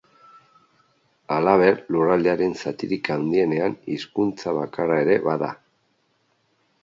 Halaber, lurraldearen zatirik handienean hizkuntza bakarra ere bada.